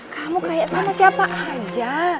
kamu kayak sama siapa aja